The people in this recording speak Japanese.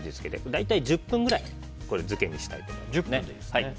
大体１０分ぐらい漬けにしたいと思います。